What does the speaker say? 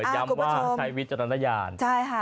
ยำว่าใช้วิจารณญาณ